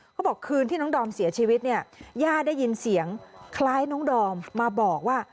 เขาบอกคืนที่น้องดอมเสียชีวิตเนี่ยย่าได้ยินเสียงคล้ายน้องดอมมาบอกว่า